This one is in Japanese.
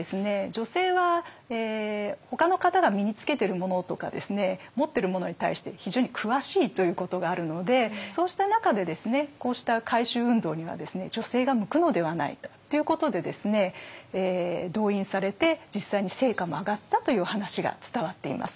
女性はほかの方が身につけてるものとか持ってるものに対して非常に詳しいということがあるのでそうした中でこうした回収運動には女性が向くのではないかということで動員されて実際に成果も上がったという話が伝わっています。